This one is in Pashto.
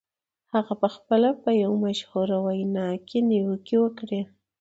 هغه په خپله یوه مشهوره وینا کې نیوکې وکړې